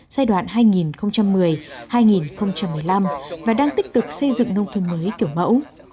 giai đoạn hai nghìn một mươi hai nghìn một mươi năm và đang tích cực xây dựng nông thôn mới kiểu mẫu